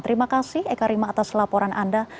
terima kasih eka rima atas laporan anda